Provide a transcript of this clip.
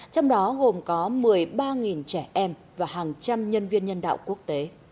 trong đó gồm có một mươi ba trẻ em và hàng trăm nhân viên nhân đạo quốc tế